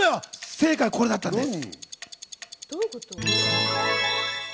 正解はこれだったんです。